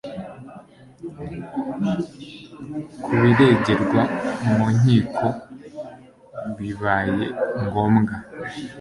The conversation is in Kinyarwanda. kubiregerwa mu nkiko bibaye ngombwa